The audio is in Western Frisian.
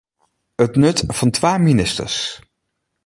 It nut fan twa ministers.